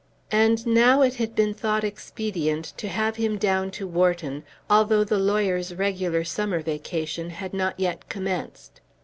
And now it had been thought expedient to have him down to Wharton, although the lawyers' regular summer vacation had not yet commenced.